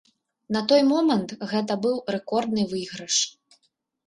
На той момант гэта быў рэкордны выйгрыш.